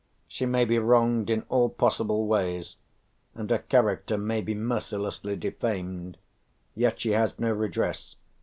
She may be wronged in all possible ways, and her character may be mercilessly defamed; yet she has no redress.